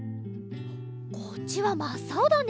こっちはまっさおだね！